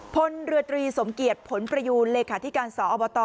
พลเรือตรีสมเกียจผลประยูนเลขาธิการสอบต